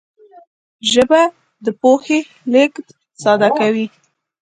ژبه د پوهې لېږد ساده کوي